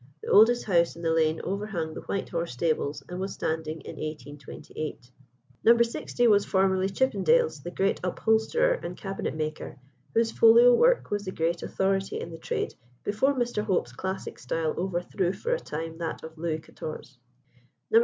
The oldest house in the lane overhung the White Horse stables, and was standing in 1828. No. 60 was formerly Chippendale's, the great upholsterer and cabinet maker, whose folio work was the great authority in the trade before Mr. Hope's classic style overthrew for a time that of Louis Quatorze.